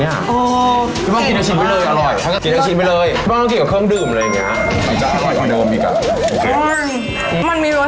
ไม่ยากจริงทำง่ายมากพี่ป้อง